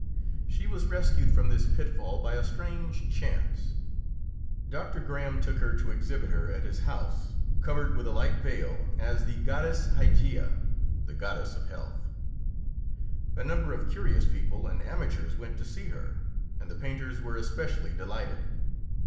She was rescued from this pitfall by a strange chance. Doctor Graham took her to exhibit her at his house, covered with a light veil, as the goddess Hygeia (the goddess of health). A number of curious people and amateurs went to see her, and the painters were especially delighted.